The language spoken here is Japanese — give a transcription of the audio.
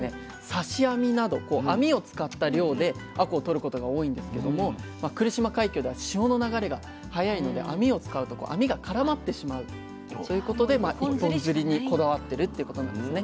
刺し網など網を使った漁であこうをとることが多いんですけども来島海峡では潮の流れが速いので網を使うと網が絡まってしまうそういうことで一本釣りにこだわってるっていうことなんですね。